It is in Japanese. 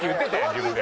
自分で。